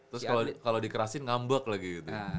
terus kalau dikerasiin ngambek lagi gitu